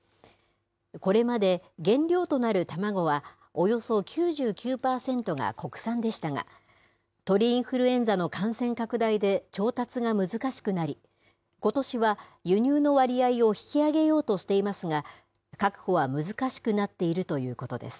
これまで、原料となる卵はおよそ９９％が国産でしたが、鳥インフルエンザの感染拡大で調達が難しくなり、ことしは輸入の割合を引き上げようとしていますが、確保は難しくなっているということです。